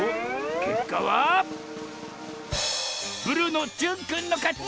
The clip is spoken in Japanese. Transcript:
けっかはブルーのじゅんくんのかち！